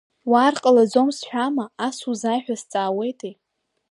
Уаар ҟалаӡом сҳәама, ас узааи ҳәа сҵаауеитеи.